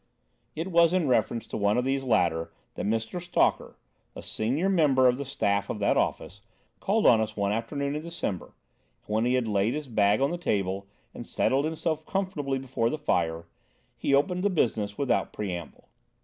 ] It was in reference to one of these latter that Mr. Stalker, a senior member of the staff of that office, called on us one afternoon in December; and when he had laid his bag on the table and settled himself comfortably before the fire, he opened the business without preamble.